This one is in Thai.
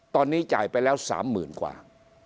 ตอนนี้จ่ายไปแล้วสามหมื่นกว่า